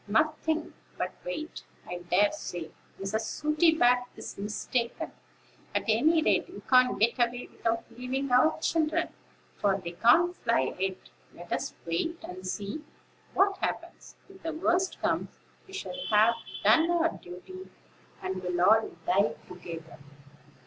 "Nothing, but wait. I dare say, Mrs. Sooty back is mistaken; at any rate, we can't get away without leaving our children, for they can't fly yet. Let us wait, and see what happens. If the worst comes, we shall have done our duty, and will all die together."